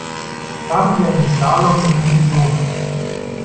Fahren Sie einen Slalom um die Pylonen.